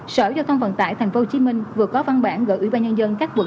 sở giao thông vận tải thành phố hồ chí minh vừa có văn bản gửi ủy ban nhân dân các quận